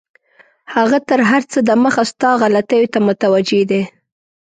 هغه تر هر څه دمخه ستا غلطیو ته متوجه دی.